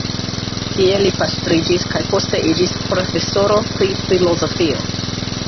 Tie li pastriĝis kaj poste iĝis profesoro pri filozofio.